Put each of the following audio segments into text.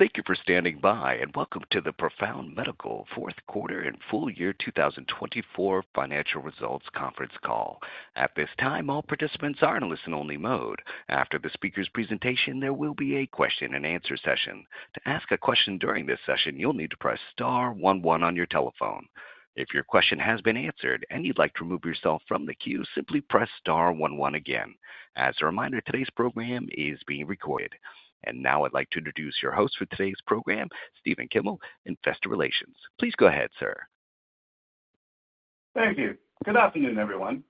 Thank you for standing by, and welcome to the Profound Medical Fourth Quarter and Full Year 2024 financial results conference call. At this time, all participants are in a listen-only mode. After the speaker's presentation, there will be a question-and-answer session. To ask a question during this session, you'll need to press star 11 on your telephone. If your question has been answered and you'd like to remove yourself from the queue, simply press star one one again. As a reminder, today's program is being recorded. Now I'd like to introduce your host for today's program, Stephen Kilmer, Investor Relations. Please go ahead, sir. Thank you. Good afternoon, everyone.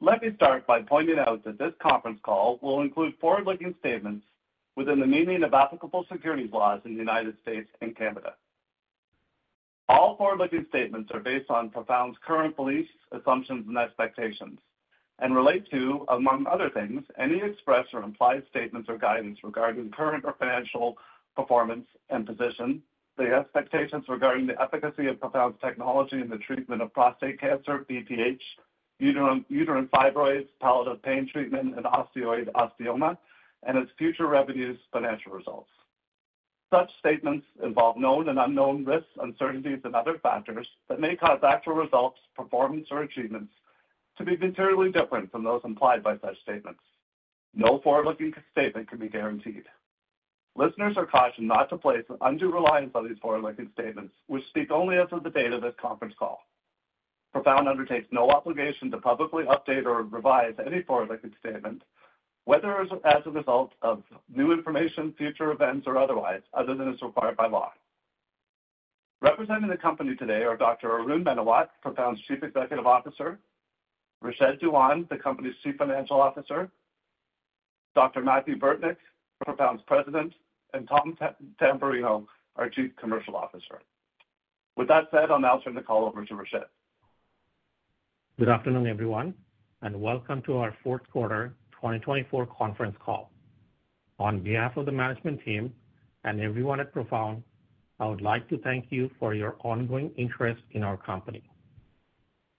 Let me start by pointing out that this conference call will include forward-looking statements within the meaning of applicable securities laws in the United States and Canada. All forward-looking statements are based on Profound's current beliefs, assumptions, and expectations, and relate to, among other things, any expressed or implied statements or guidance regarding current or financial performance and position, the expectations regarding the efficacy of Profound's technology in the treatment of prostate cancer, BPH, uterine fibroids, palliative pain treatment, and osteoid osteoma, and its future revenues/financial results. Such statements involve known and unknown risks, uncertainties, and other factors that may cause actual results, performance, or achievements to be materially different from those implied by such statements. No forward-looking statement can be guaranteed. Listeners are cautioned not to place undue reliance on these forward-looking statements, which speak only as of the date of this conference call. Profound undertakes no obligation to publicly update or revise any forward-looking statement, whether as a result of new information, future events, or otherwise, other than as required by law. Representing the company today are Dr. Arun Menawat, Profound's Chief Executive Officer, Rashed Dewan, the company's Chief Financial Officer, Dr. Mathieu Burtnyk, Profound's President, and Tom Tamberrino, our Chief Commercial Officer. With that said, I'll now turn the call over to Rashed. Good afternoon, everyone, and welcome to our Fourth Quarter 2024 Conference Call. On behalf of the management team and everyone at Profound Medical, I would like to thank you for your ongoing interest in our company.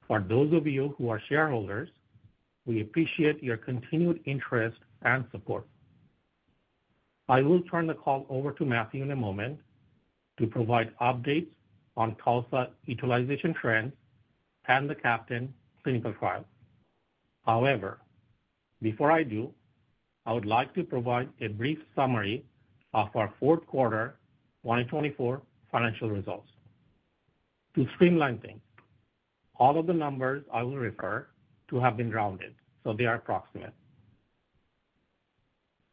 For those of you who are shareholders, we appreciate your continued interest and support. I will turn the call over to Mathieu in a moment to provide updates on TULSA utilization trends and the CAPTAIN clinical trial. However, before I do, I would like to provide a brief summary of our Fourth Quarter 2024 financial results. To streamline things, all of the numbers I will refer to have been rounded, so they are approximate.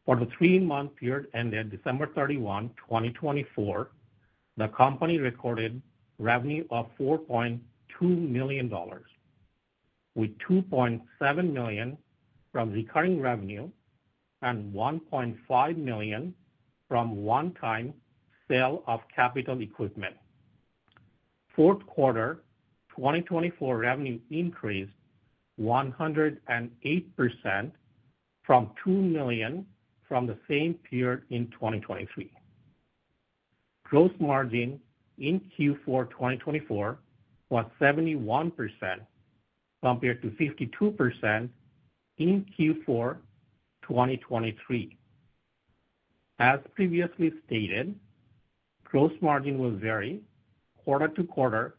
For the three-month period ended December 31, 2024, the company recorded revenue of $4.2 million, with $2.7 million from recurring revenue and $1.5 million from one-time sale of capital equipment. Fourth Quarter 2024 revenue increased 108% from $2 million from the same period in 2023. Gross margin in Q4 2024 was 71% compared to 52% in Q4 2023. As previously stated, gross margin will vary quarter to quarter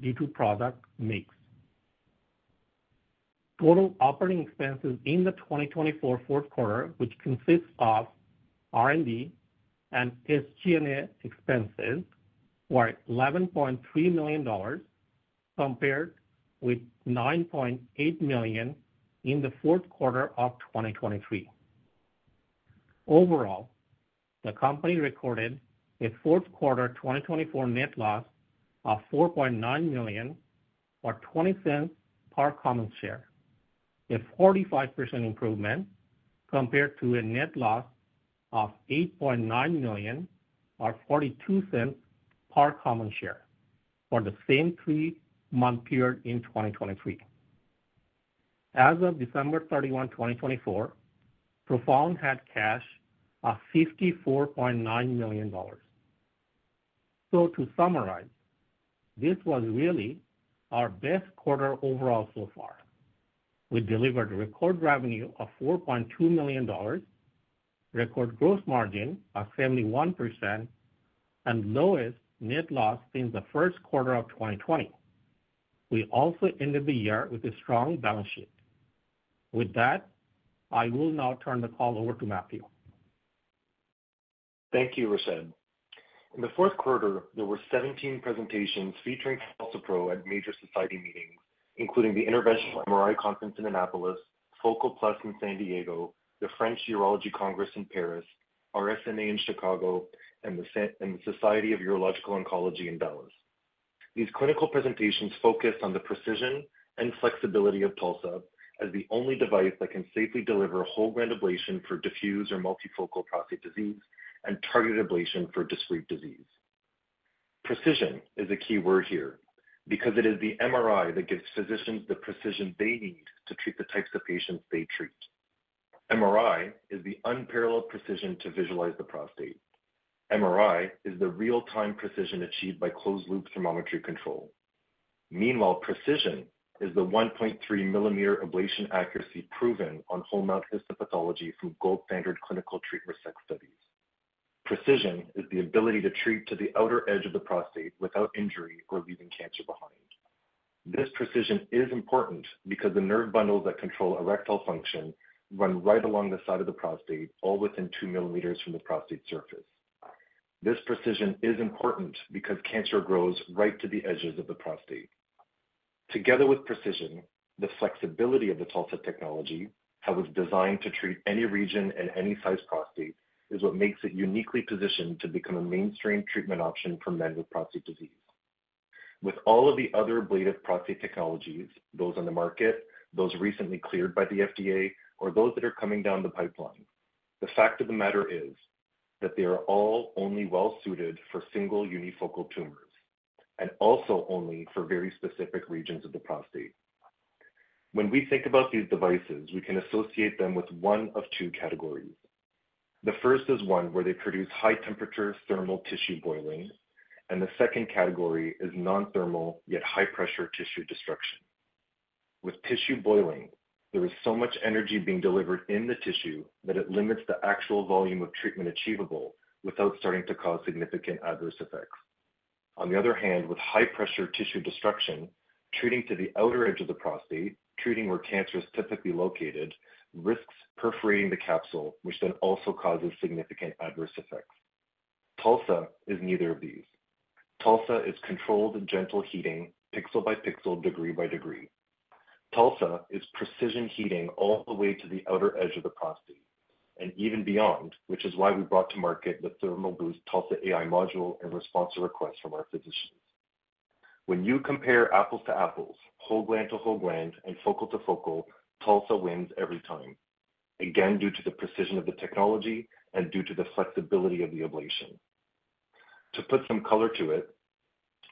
due to product mix. Total operating expenses in the 2024 Fourth Quarter, which consists of R&D and SG&A expenses, were $11.3 million compared with $9.8 million in the Fourth Quarter of 2023. Overall, the company recorded a Fourth Quarter 2024 net loss of $4.9 million or $0.20 per common share, a 45% improvement compared to a net loss of $8.9 million or $0.42 per common share for the same three-month period in 2023. As of December 31, 2024, Profound had cash of $54.9 million. To summarize, this was really our best quarter overall so far. We delivered a record revenue of $4.2 million, record gross margin of 71%, and lowest net loss since the first quarter of 2020. We also ended the year with a strong balance sheet. With that, I will now turn the call over to Mathieu. Thank you, Rashed. In the fourth quarter, there were 17 presentations featuring TULSA-PRO at major society meetings, including the Interventional MRI Conference in Annapolis, Focal Plus in San Diego, the French Urology Congress in Paris, RSNA in Chicago, and the Society of Urological Oncology in Dallas. These clinical presentations focused on the precision and flexibility of TULSA as the only device that can safely deliver a whole-gland ablation for diffuse or multifocal prostate disease and targeted ablation for discrete disease. Precision is a key word here because it is the MRI that gives physicians the precision they need to treat the types of patients they treat. MRI is the unparalleled precision to visualize the prostate. MRI is the real-time precision achieved by closed-loop thermometry control. Meanwhile, precision is the 1.3-mm ablation accuracy proven on whole-mount histopathology from gold-standard clinical treatment studies. Precision is the ability to treat to the outer edge of the prostate without injury or leaving cancer behind. This precision is important because the nerve bundles that control erectile function run right along the side of the prostate, all within 2 mm from the prostate surface. This precision is important because cancer grows right to the edges of the prostate. Together with precision, the flexibility of the TULSA technology, how it's designed to treat any region and any size prostate, is what makes it uniquely positioned to become a mainstream treatment option for men with prostate disease. With all of the other ablative prostate technologies, those on the market, those recently cleared by the FDA, or those that are coming down the pipeline, the fact of the matter is that they are all only well-suited for single unifocal tumors and also only for very specific regions of the prostate. When we think about these devices, we can associate them with one of two categories. The first is one where they produce high-temperature thermal tissue boiling, and the second category is non-thermal yet high-pressure tissue destruction. With tissue boiling, there is so much energy being delivered in the tissue that it limits the actual volume of treatment achievable without starting to cause significant adverse effects. On the other hand, with high-pressure tissue destruction, treating to the outer edge of the prostate, treating where cancer is typically located, risks perforating the capsule, which then also causes significant adverse effects. TULSA is neither of these. TULSA is controlled gentle heating, pixel by pixel, degree by degree. TULSA is precision heating all the way to the outer edge of the prostate and even beyond, which is why we brought to market the Thermal Boost TULSA-AI module in response to requests from our physicians. When you compare apples to apples, whole-gland to whole-gland, and focal to focal, TULSA wins every time, again due to the precision of the technology and due to the flexibility of the ablation. To put some color to it,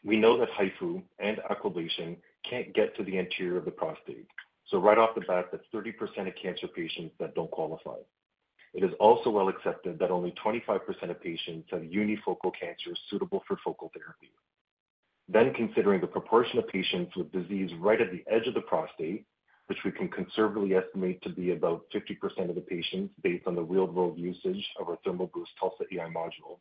we know that HIFU and Aquablation can't get to the interior of the prostate, so right off the bat, that's 30% of cancer patients that don't qualify. It is also well accepted that only 25% of patients have unifocal cancer suitable for focal therapy. Then, considering the proportion of patients with disease right at the edge of the prostate, which we can conservatively estimate to be about 50% of the patients based on the real-world usage of our Thermal Boost TULSA-AI module,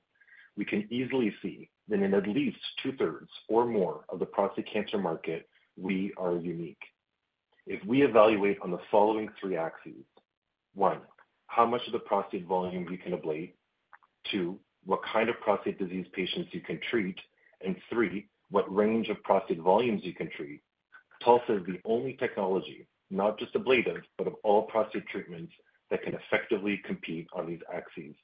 we can easily see that in at least 2/3 or more of the prostate cancer market, we are unique. If we evaluate on the following three axes: one, how much of the prostate volume you can ablate; two, what kind of prostate disease patients you can treat; and three, what range of prostate volumes you can treat, TULSA is the only technology, not just ablative, but of all prostate treatments that can effectively compete on these axes.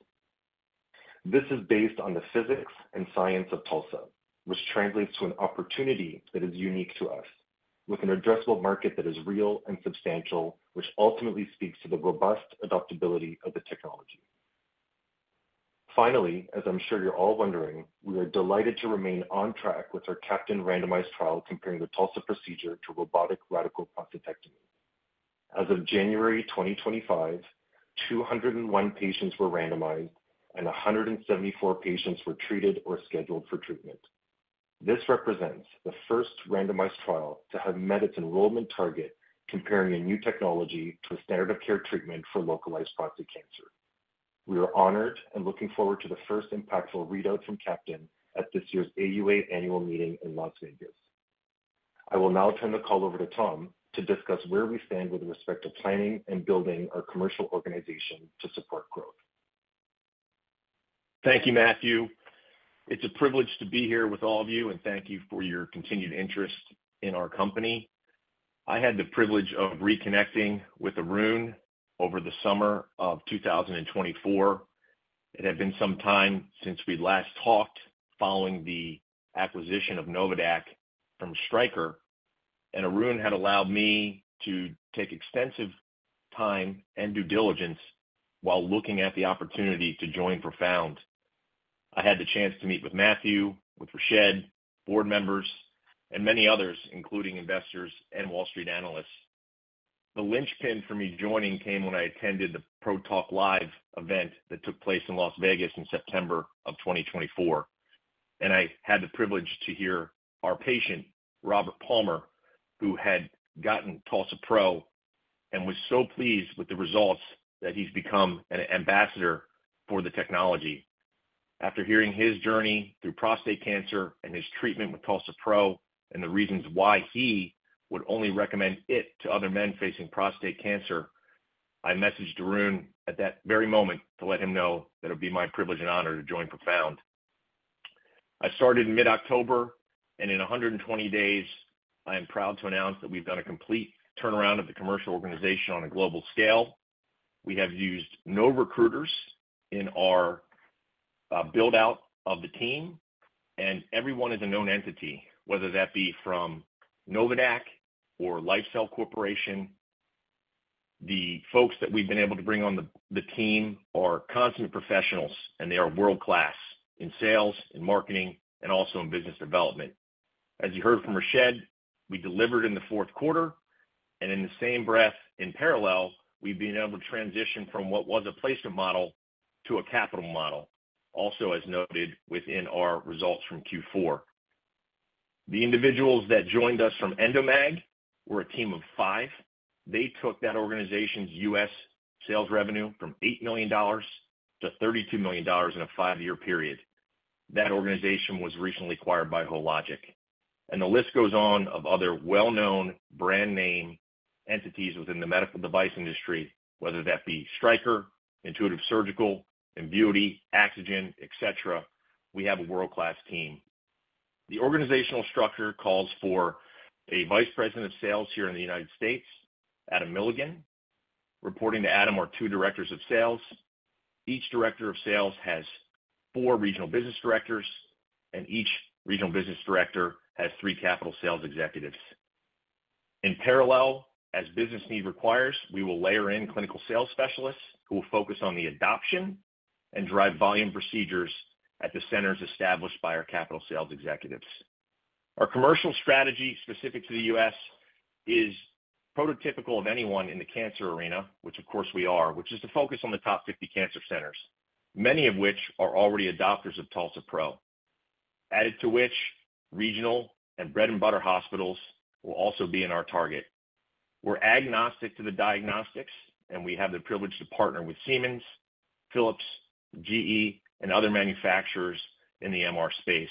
This is based on the physics and science of TULSA, which translates to an opportunity that is unique to us, with an addressable market that is real and substantial, which ultimately speaks to the robust adoptability of the technology. Finally, as I'm sure you're all wondering, we are delighted to remain on track with our CAPTAIN randomized trial comparing the TULSA procedure to robotic radical prostatectomy. As of January 2025, 201 patients were randomized, and 174 patients were treated or scheduled for treatment. This represents the first randomized trial to have met its enrollment target comparing a new technology to a standard of care treatment for localized prostate cancer. We are honored and looking forward to the first impactful readout from CAPTAIN at this year's AUA annual meeting in Las Vegas. I will now turn the call over to Tom to discuss where we stand with respect to planning and building our commercial organization to support growth. Thank you, Mathieu. It's a privilege to be here with all of you, and thank you for your continued interest in our company. I had the privilege of reconnecting with Arun over the summer of 2024. It had been some time since we last talked following the acquisition of Novadaq from Stryker, and Arun had allowed me to take extensive time and due diligence while looking at the opportunity to join Profound. I had the chance to meet with Mathieu, with Rashed, board members, and many others, including investors and Wall Street analysts. The linchpin for me joining came when I attended the ProTalk Live event that took place in Las Vegas in September of 2024, and I had the privilege to hear our patient, Robert Palmer, who had gotten TULSA-PRO and was so pleased with the results that he's become an ambassador for the technology. After hearing his journey through prostate cancer and his treatment with TULSA-PRO and the reasons why he would only recommend it to other men facing prostate cancer, I messaged Arun at that very moment to let him know that it would be my privilege and honor to join Profound. I started in mid-October, and in 120 days, I am proud to announce that we've done a complete turnaround of the commercial organization on a global scale. We have used no recruiters in our build-out of the team, and everyone is a known entity, whether that be from Novadaq or LifeCell Corporation. The folks that we've been able to bring on the team are constant professionals, and they are world-class in sales, in marketing, and also in business development. As you heard from Rashed, we delivered in the fourth quarter, and in the same breath, in parallel, we've been able to transition from what was a placement model to a capital model, also as noted within our results from Q4. The individuals that joined us from Endomag were a team of five. They took that organization's U.S. sales revenue from $8 million-$32 million in a five-year period. That organization was recently acquired by Hologic. The list goes on of other well-known brand name entities within the medical device industry, whether that be Stryker, Intuitive Surgical, Invuity, AxoGen, etc. We have a world-class team. The organizational structure calls for a Vice President of Sales here in the United States, Adam Milligan. Reporting to Adam are two directors of sales. Each director of sales has four regional business directors, and each regional business director has three capital sales executives. In parallel, as business need requires, we will layer in clinical sales specialists who will focus on the adoption and drive volume procedures at the centers established by our capital sales executives. Our commercial strategy specific to the U.S. is prototypical of anyone in the cancer arena, which, of course, we are, which is to focus on the top 50 cancer centers, many of which are already adopters of TULSA-PRO. Added to which, regional and bread-and-butter hospitals will also be in our target. We're agnostic to the diagnostics, and we have the privilege to partner with Siemens, Philips, GE, and other manufacturers in the MR space.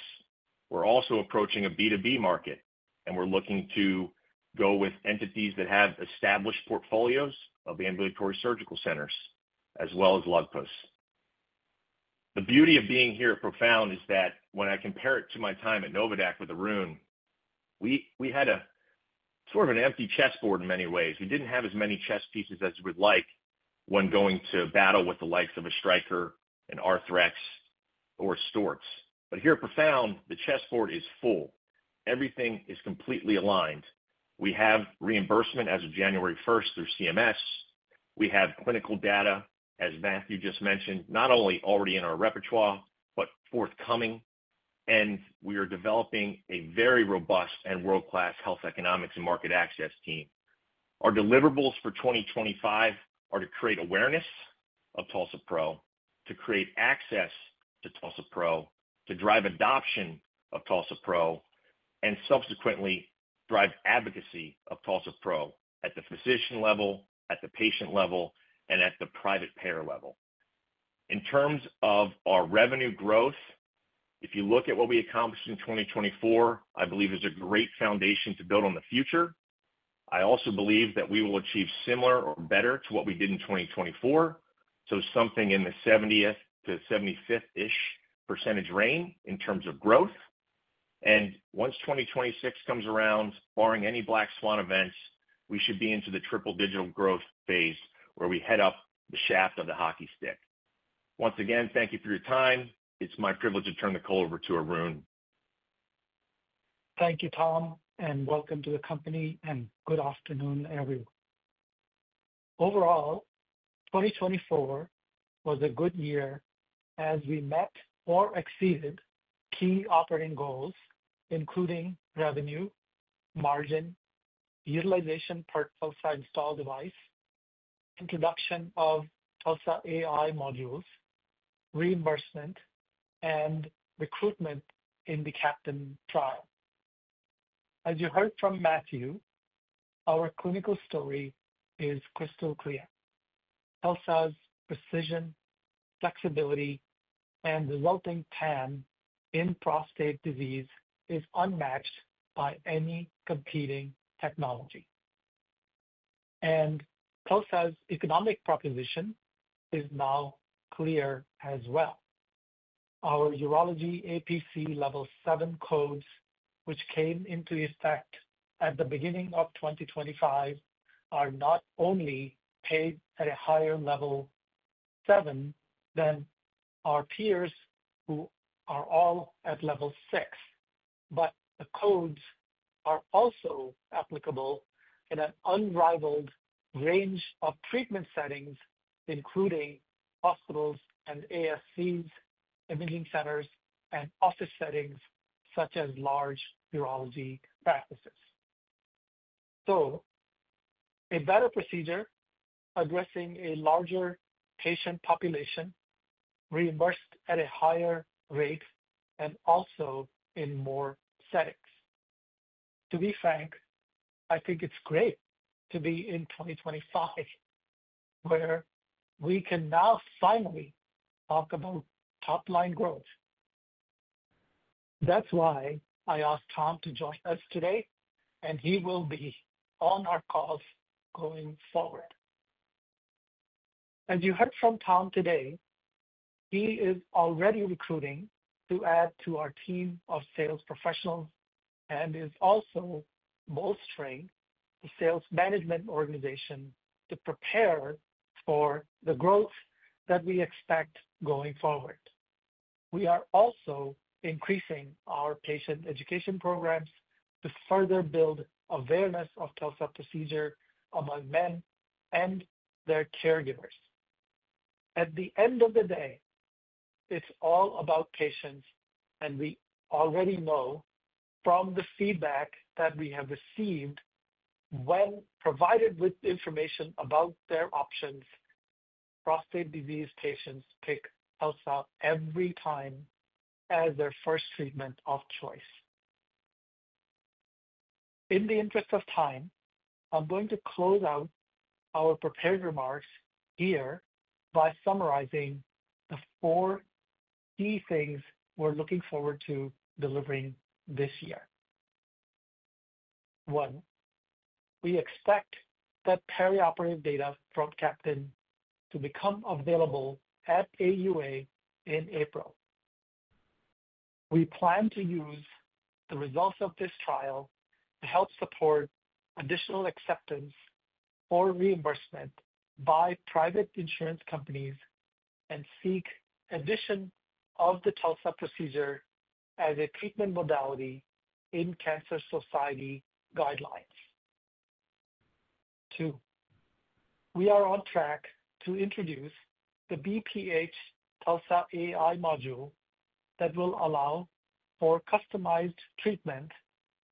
We're also approaching a B2B market, and we're looking to go with entities that have established portfolios of ambulatory surgical centers, as well as large practices. The beauty of being here at Profound is that when I compare it to my time at Novadaq with Arun, we had a sort of an empty chessboard in many ways. We didn't have as many chess pieces as we'd like when going to battle with the likes of a Stryker, an Arthrex, or Storz. Here at Profound, the chessboard is full. Everything is completely aligned. We have reimbursement as of January 1 through CMS. We have clinical data, as Mathieu just mentioned, not only already in our repertoire but forthcoming, and we are developing a very robust and world-class health economics and market access team. Our deliverables for 2025 are to create awareness of TULSA-PRO, to create access to TULSA-PRO, to drive adoption of TULSA-PRO, and subsequently drive advocacy of TULSA-PRO at the physician level, at the patient level, and at the private payer level. In terms of our revenue growth, if you look at what we accomplished in 2024, I believe is a great foundation to build on the future. I also believe that we will achieve similar or better to what we did in 2024, so something in the 70%-75%-ish percentage range in terms of growth. Once 2026 comes around, barring any black swan events, we should be into the triple-digit growth phase where we head up the shaft of the hockey stick. Once again, thank you for your time. It's my privilege to turn the call over to Arun. Thank you, Tom, and welcome to the company, and good afternoon, everyone. Overall, 2024 was a good year as we met or exceeded key operating goals, including revenue, margin, utilization per TULSA installed device, introduction of TULSA AI modules, reimbursement, and recruitment in the CAPTAIN trial. As you heard from Mathieu, our clinical story is crystal clear. TULSA's precision, flexibility, and resulting TAM in prostate disease is unmatched by any competing technology. TULSA's economic proposition is now clear as well. Our urology APC level seven codes, which came into effect at the beginning of 2025, are not only paid at a higher level seven than our peers who are all at level six, but the codes are also applicable in an unrivaled range of treatment settings, including hospitals and ASCs, imaging centers, and office settings such as large urology practices. A better procedure addressing a larger patient population reimbursed at a higher rate and also in more settings. To be frank, I think it's great to be in 2025 where we can now finally talk about top-line growth. That's why I asked Tom to join us today, and he will be on our calls going forward. As you heard from Tom today, he is already recruiting to add to our team of sales professionals and is also bolstering the sales management organization to prepare for the growth that we expect going forward. We are also increasing our patient education programs to further build awareness of TULSA procedure among men and their caregivers. At the end of the day, it's all about patients, and we already know from the feedback that we have received when provided with information about their options, prostate disease patients pick TULSA every time as their first treatment of choice. In the interest of time, I'm going to close out our prepared remarks here by summarizing the four key things we're looking forward to delivering this year. One, we expect that perioperative data from CAPTAIN to become available at AUA in April. We plan to use the results of this trial to help support additional acceptance or reimbursement by private insurance companies and seek addition of the TULSA procedure as a treatment modality in cancer society guidelines. Two, we are on track to introduce the BPH TULSA-AI module that will allow for customized treatment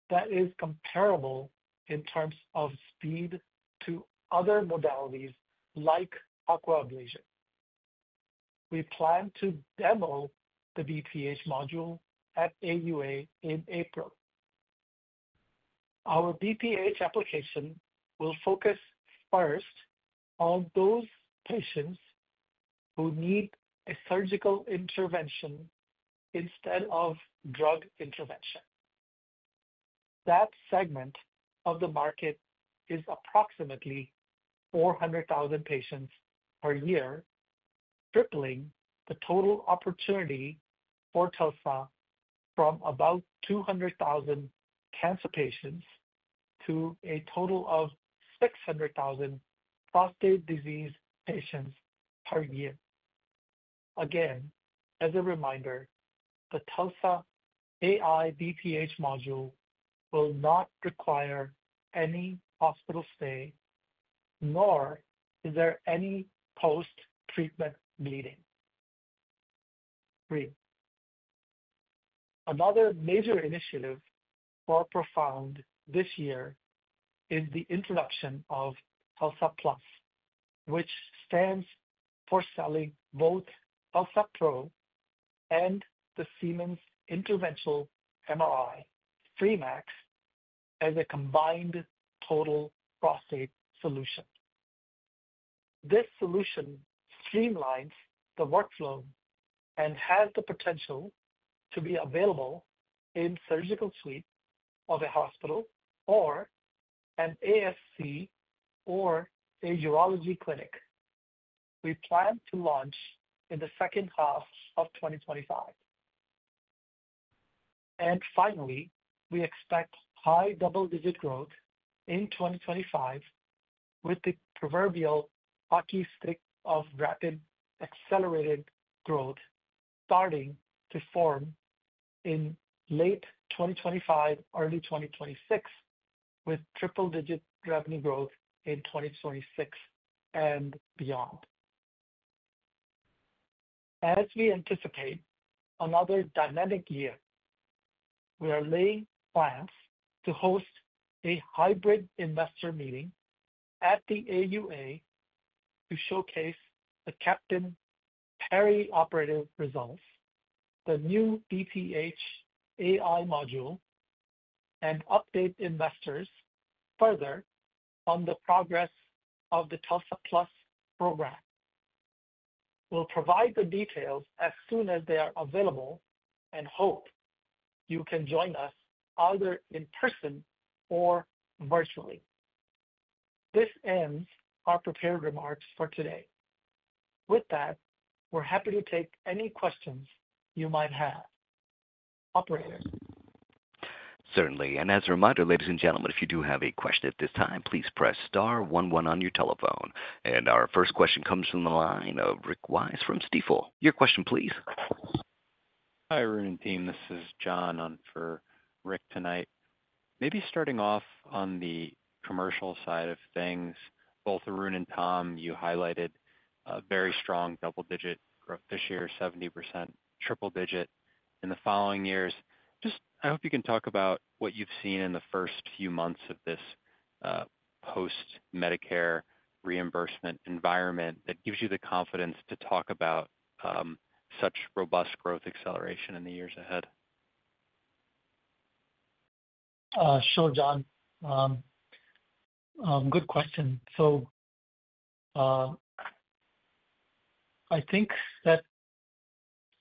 that is comparable in terms of speed to other modalities like Aquablation. We plan to demo the BPH module at AUA in April. Our BPH application will focus first on those patients who need a surgical intervention instead of drug intervention. That segment of the market is approximately 400,000 patients per year, tripling the total opportunity for TULSA from about 200,000 cancer patients to a total of 600,000 prostate disease patients per year. Again, as a reminder, the TULSA-AI BPH module will not require any hospital stay, nor is there any post-treatment bleeding. Three, another major initiative for Profound this year is the introduction of TULSA Plus, which stands for selling both TULSA-PRO and the Siemens Interventional MRI, Free.Max, as a combined total prostate solution. This solution streamlines the workflow and has the potential to be available in surgical suites of a hospital or an ASC or a urology clinic. We plan to launch in the second half of 2025. Finally, we expect high double-digit growth in 2025 with the proverbial hockey stick of rapid accelerated growth starting to form in late 2025, early 2026, with triple-digit revenue growth in 2026 and beyond. As we anticipate another dynamic year, we are laying plans to host a hybrid investor meeting at the AUA to showcase the CAPTAIN perioperative results, the new BPH AI module, and update investors further on the progress of the TULSA Plus program. We'll provide the details as soon as they are available and hope you can join us either in person or virtually. This ends our prepared remarks for today. With that, we're happy to take any questions you might have. Operators. Certainly. As a reminder, ladies and gentlemen, if you do have a question at this time, please press star one one on your telephone. Our first question comes from the line of Rick Wise from Stifel. Your question, please. Hi, Arun and team. This is John on for Rick tonight. Maybe starting off on the commercial side of things, both Arun and Tom, you highlighted a very strong double-digit growth this year, 70%, triple digit in the following years. Just I hope you can talk about what you've seen in the first few months of this post-Medicare reimbursement environment that gives you the confidence to talk about such robust growth acceleration in the years ahead. Sure, John. Good question. I think that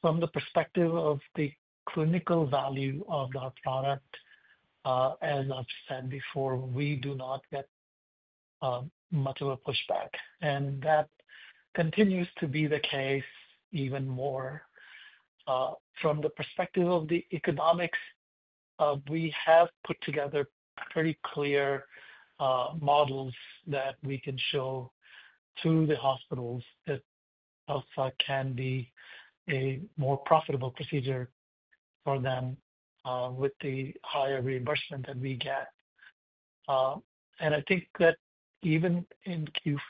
from the perspective of the clinical value of our product, as I've said before, we do not get much of a pushback. That continues to be the case even more. From the perspective of the economics, we have put together pretty clear models that we can show to the hospitals that TULSA can be a more profitable procedure for them with the higher reimbursement that we get. I think that even in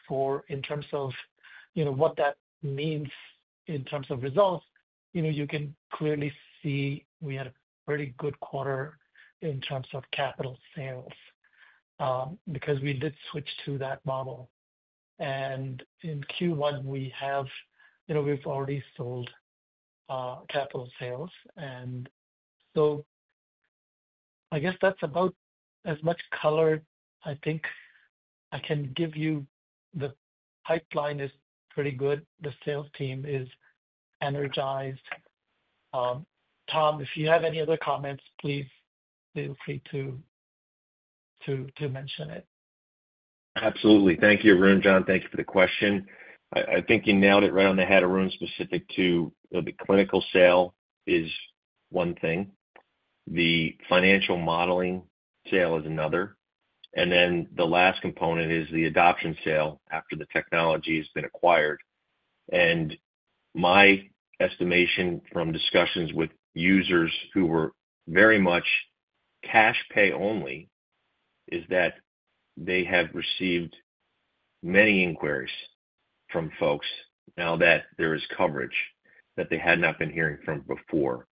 Q4, in terms of what that means in terms of results, you can clearly see we had a pretty good quarter in terms of capital sales because we did switch to that model. In Q1, we've already sold capital sales. I guess that's about as much color I think I can give you. The pipeline is pretty good. The sales team is energized. Tom, if you have any other comments, please feel free to mention it. Absolutely. Thank you, Arun, John. Thank you for the question. I think you nailed it right on the head, Arun, specific to the clinical sale is one thing. The financial modeling sale is another. The last component is the adoption sale after the technology has been acquired. My estimation from discussions with users who were very much cash pay only is that they have received many inquiries from folks now that there is coverage that they had not been hearing from before,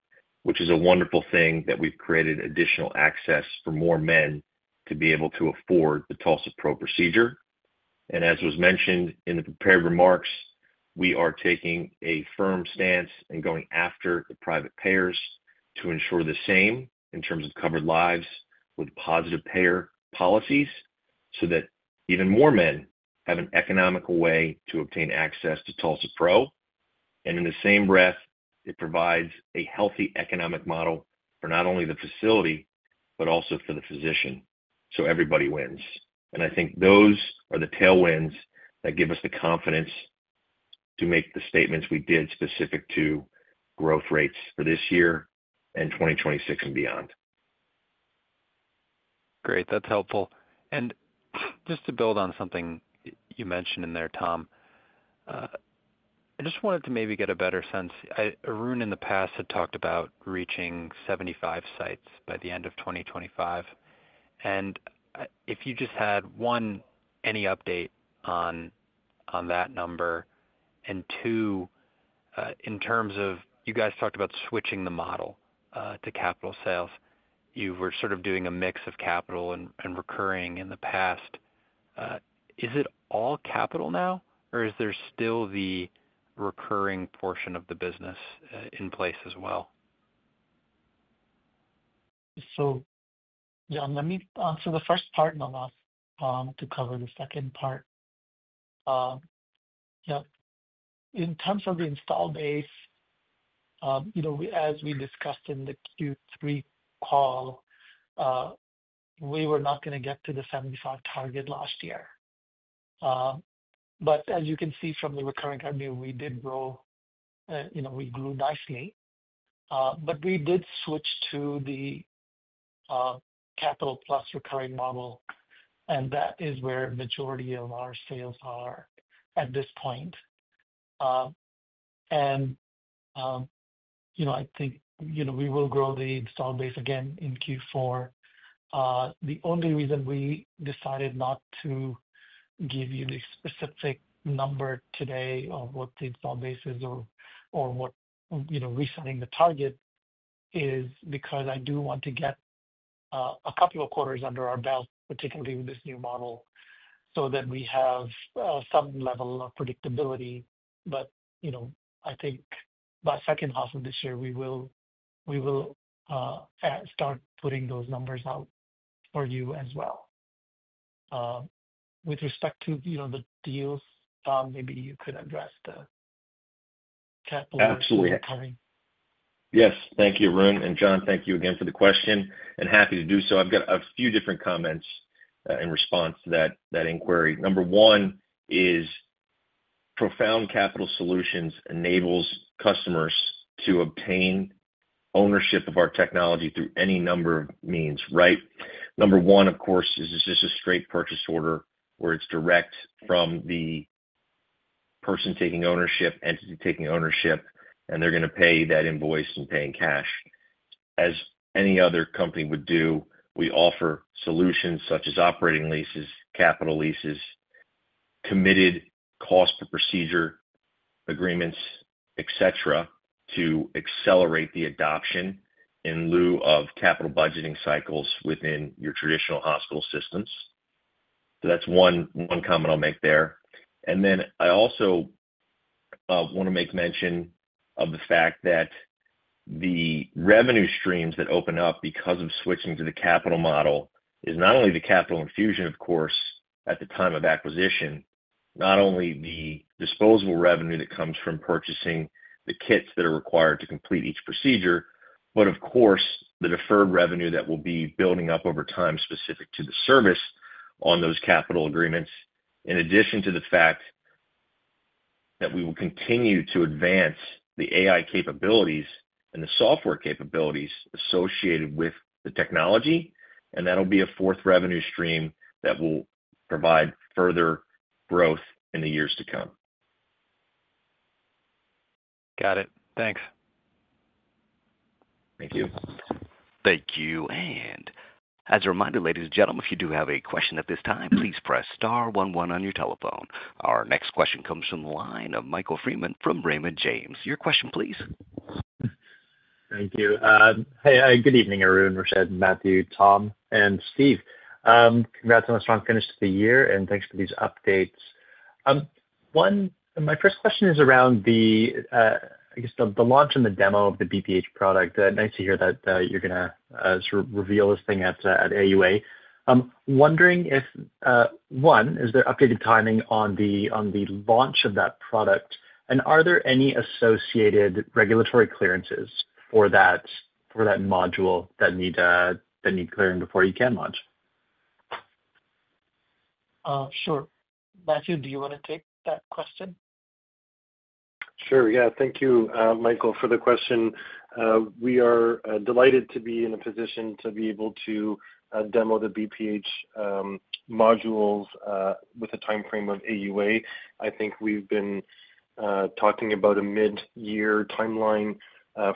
which is a wonderful thing that we've created additional access for more men to be able to afford the TULSA-PRO procedure. As was mentioned in the prepared remarks, we are taking a firm stance and going after the private payers to ensure the same in terms of covered lives with positive payer policies so that even more men have an economical way to obtain access to TULSA-PRO. In the same breath, it provides a healthy economic model for not only the facility but also for the physician. Everybody wins. I think those are the tailwinds that give us the confidence to make the statements we did specific to growth rates for this year and 2026 and beyond. Great. That's helpful. Just to build on something you mentioned in there, Tom, I just wanted to maybe get a better sense. Arun in the past had talked about reaching 75 sites by the end of 2025. If you just had one, any update on that number? In terms of you guys talked about switching the model to capital sales, you were sort of doing a mix of capital and recurring in the past. Is it all capital now, or is there still the recurring portion of the business in place as well? John, let me answer the first part and then ask Tom to cover the second part. Yeah. In terms of the installed base, as we discussed in the Q3 call, we were not going to get to the 75 target last year. As you can see from the recurring revenue, we did grow; we grew nicely. We did switch to the capital plus recurring model, and that is where the majority of our sales are at this point. I think we will grow the installed base again in Q4. The only reason we decided not to give you the specific number today of what the installed base is or what resetting the target is because I do want to get a couple of quarters under our belt, particularly with this new model, so that we have some level of predictability. I think by the second half of this year, we will start putting those numbers out for you as well. With respect to the deals, Tom, maybe you could address the capital and recurring. Absolutely. Yes. Thank you, Arun. John, thank you again for the question and happy to do so. I've got a few different comments in response to that inquiry. Number one is Profound Capital Solutions enables customers to obtain ownership of our technology through any number of means, right? Number one, of course, is this is a straight purchase order where it's direct from the person taking ownership, entity taking ownership, and they're going to pay that invoice and pay in cash. As any other company would do, we offer solutions such as operating leases, capital leases, committed cost per procedure agreements, etc., to accelerate the adoption in lieu of capital budgeting cycles within your traditional hospital systems. That's one comment I'll make there. I also want to make mention of the fact that the revenue streams that open up because of switching to the capital model is not only the capital infusion, of course, at the time of acquisition, not only the disposable revenue that comes from purchasing the kits that are required to complete each procedure, but of course, the deferred revenue that will be building up over time specific to the service on those capital agreements, in addition to the fact that we will continue to advance the AI capabilities and the software capabilities associated with the technology. That will be a fourth revenue stream that will provide further growth in the years to come. Got it. Thanks. Thank you. Thank you. As a reminder, ladies and gentlemen, if you do have a question at this time, please press star one one on your telephone. Our next question comes from the line of Michael Freeman from Raymond James. Your question, please. Thank you. Hey, good evening, Arun, Rashed, Mathieu, Tom, and Steve. Congrats on a strong finish to the year, and thanks for these updates. My first question is around the, I guess, the launch and the demo of the BPH product. Nice to hear that you're going to reveal this thing at AUA. Wondering if, one, is there updated timing on the launch of that product? And are there any associated regulatory clearances for that module that need clearing before you can launch? Sure. Mathieu, do you want to take that question? Sure. Yeah. Thank you, Michael, for the question. We are delighted to be in a position to be able to demo the BPH modules with a timeframe of AUA. I think we've been talking about a mid-year timeline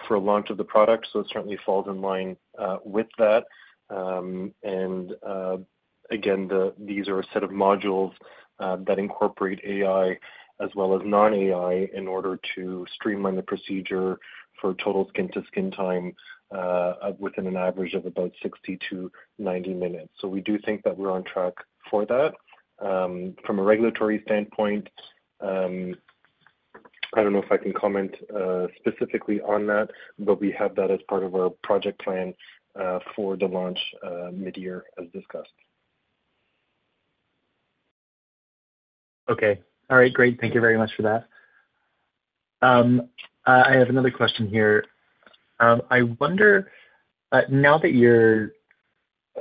for a launch of the product, so it certainly falls in line with that. These are a set of modules that incorporate AI as well as non-AI in order to streamline the procedure for total skin-to-skin time within an average of about 60-90 minutes. We do think that we're on track for that. From a regulatory standpoint, I don't know if I can comment specifically on that, but we have that as part of our project plan for the launch mid-year as discussed. Okay. All right. Great. Thank you very much for that. I have another question here. I wonder, now that you're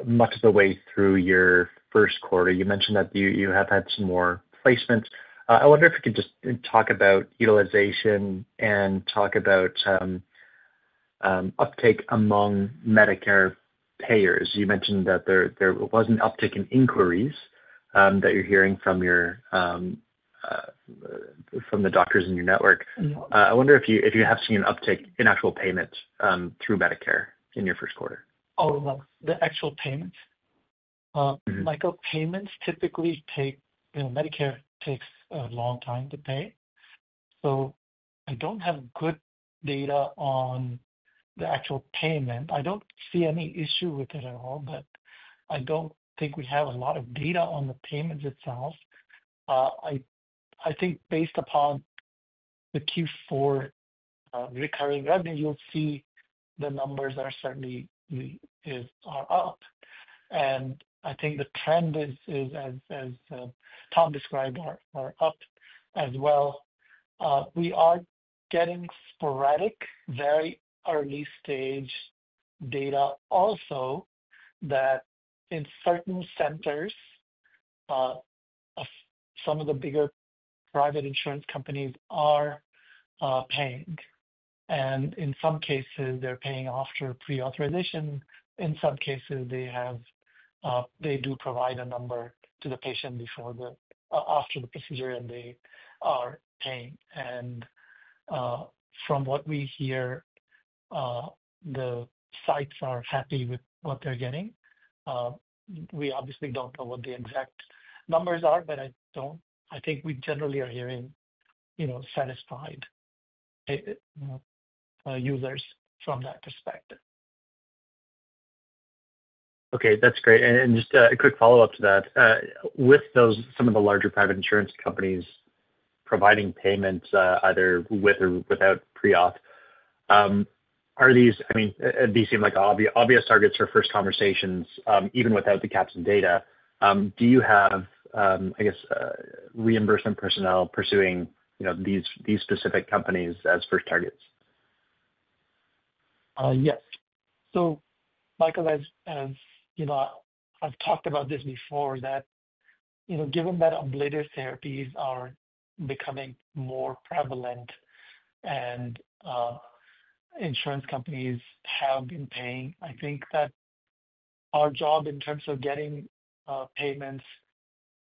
much of the way through your first quarter, you mentioned that you have had some more placements. I wonder if you could just talk about utilization and talk about uptake among Medicare payers. You mentioned that there was an uptick in inquiries that you're hearing from the doctors in your network. I wonder if you have seen an uptick in actual payments through Medicare in your first quarter. Oh, the actual payments? Michael, payments typically take Medicare takes a long time to pay. I don't have good data on the actual payment. I don't see any issue with it at all, but I don't think we have a lot of data on the payments itself. I think based upon the Q4 recurring revenue, you'll see the numbers certainly are up. I think the trend is, as Tom described, are up as well. We are getting sporadic, very early-stage data also that in certain centers, some of the bigger private insurance companies are paying. In some cases, they're paying after pre-authorization. In some cases, they do provide a number to the patient after the procedure, and they are paying. From what we hear, the sites are happy with what they're getting. We obviously do not know what the exact numbers are, but I think we generally are hearing satisfied users from that perspective. Okay. That's great. Just a quick follow-up to that. With some of the larger private insurance companies providing payments either with or without pre-auth, I mean, these seem like obvious targets for first conversations, even without the caps in data. Do you have, I guess, reimbursement personnel pursuing these specific companies as first targets? Yes. Michael, as I've talked about this before, given that ablative therapies are becoming more prevalent and insurance companies have been paying, I think that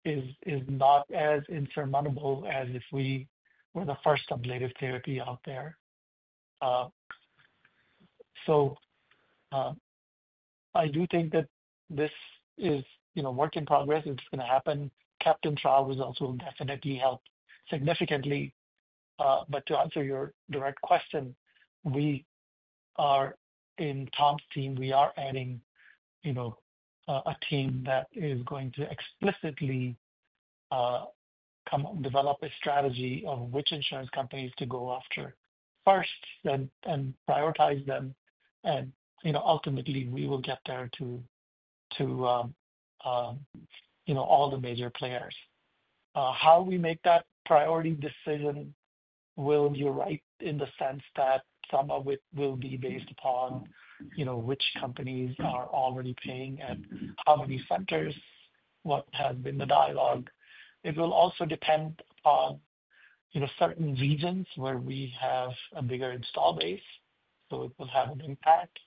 our job in terms of getting payments is not as insurmountable as if we were the first ablative therapy out there. I do think that this is a work in progress. It's going to happen. CAPTAIN trial results will definitely help significantly. To answer your direct question, in Tom's team, we are adding a team that is going to explicitly develop a strategy of which insurance companies to go after first and prioritize them. Ultimately, we will get there to all the major players. How we make that priority decision will be right in the sense that some of it will be based upon which companies are already paying at how many centers, what has been the dialogue. It will also depend upon certain regions where we have a bigger install base, so it will have an impact.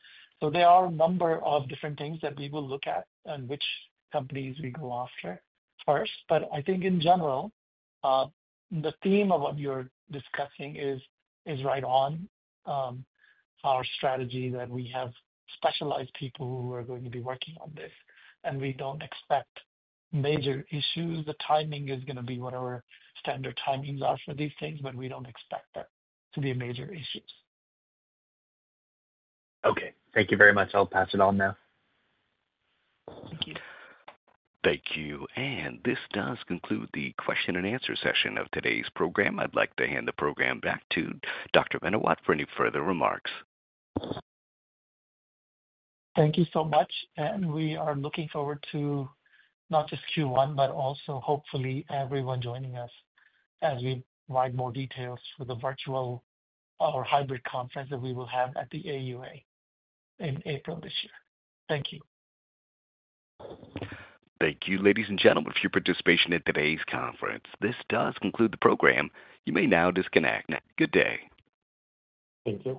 There are a number of different things that we will look at and which companies we go after first. I think in general, the theme of what you're discussing is right on our strategy that we have specialized people who are going to be working on this. We don't expect major issues. The timing is going to be whatever standard timings are for these things, but we don't expect that to be major issues. Okay. Thank you very much. I'll pass it on now. Thank you. Thank you. This does conclude the question and answer session of today's program. I'd like to hand the program back to Dr. Menawat for any further remarks. Thank you so much. We are looking forward to not just Q1, but also hopefully everyone joining us as we provide more details for the virtual or hybrid conference that we will have at the AUA in April this year. Thank you. Thank you, ladies and gentlemen, for your participation in today's conference. This does conclude the program. You may now disconnect. Good day. Thank you.